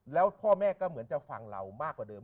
แล้วพ่อแม่ก็เหมือนจะฟังเรามากกว่าเดิม